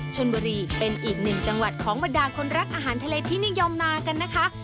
ชนบุรีเป็นอีกหนึ่งจังหวัดของบรรดาคนรักอาหารทะเลที่นิยมมากันนะคะ